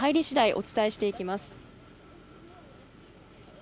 お伝えしていきます。